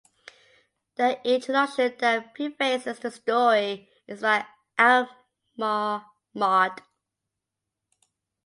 The introduction that prefaces the story is by Aylmer Maude.